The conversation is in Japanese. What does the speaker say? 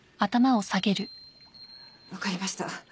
わかりました。